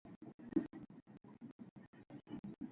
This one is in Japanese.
朝早く起きるのが苦手である。